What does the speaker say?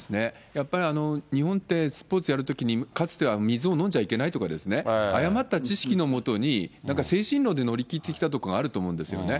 やっぱり日本ってスポーツやるときに、かつては水を飲んじゃいけないとかですね、誤った知識のもとに、なんか精神論で乗り切ってきたところがあると思うんですよね。